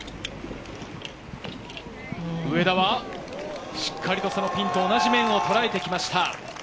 上田はしっかりとそのピンと同じ面をとらえていきました。